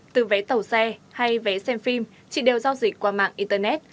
từ vé tàu xe hay vé xem phim chị đều giao dịch qua mạng internet